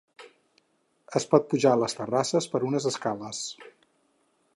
Es pot pujar a les terrasses per unes escales.